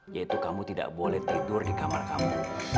yaitu kamu tidak boleh tidur di kamar kamu